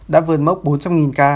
đã vượt mốc bốn trăm linh ca